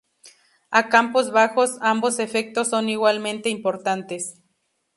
A campos bajos, ambos efectos son igualmente importantes.